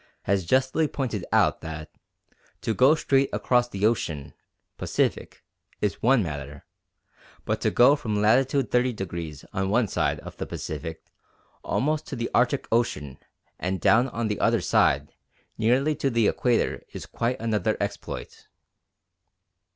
_ has justly pointed out that "to go straight across the ocean (Pacific) is one matter, but to go from latitude 30° on one side of the Pacific almost to the Arctic Ocean and down on the other side nearly to the Equator is quite another exploit."